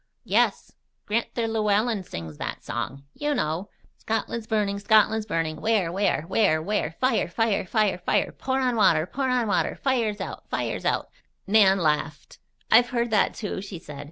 "Yes. Gran'ther Llewellen sings that song. You know: "'Scotland's burning! Scotland's burning! Where, where? Where, where? Fire! Fire! Fire! Fire! Pour on water! Pour on water! Fire's out! Fire's out!'" Nan laughed. "I've heard that, too," she said.